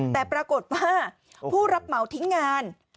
แต่ปรากฏว่าผู้รับเหมาทิ้งงาน